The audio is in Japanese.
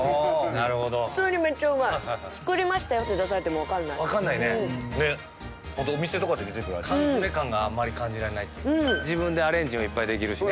普通にめっちゃうまい作りましたよって出されてもわかんないわかんないねねっ缶詰感があまり感じられない自分でアレンジもいっぱいできるしね